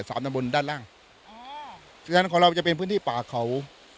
ตำบลด้านล่างอ๋อฉะนั้นของเราจะเป็นพื้นที่ป่าเขา